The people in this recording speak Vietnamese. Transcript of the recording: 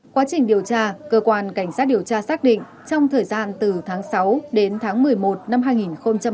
quá trình điều tra cơ quan cảnh sát điều tra xác định trong thời gian từ tháng sáu đến tháng một mươi một năm hai nghìn một mươi ba